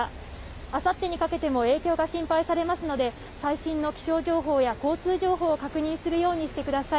あさってにかけても影響が心配されますので、最新の気象情報や交通情報を確認するようにしてください。